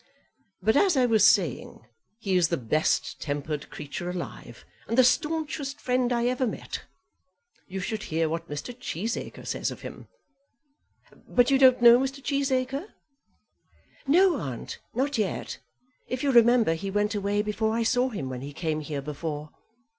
But as I was saying, he is the best tempered creature alive, and the staunchest friend I ever met. You should hear what Mr. Cheesacre says of him! But you don't know Mr. Cheesacre?" "No, aunt, not yet. If you remember, he went away before I saw him when he came here before."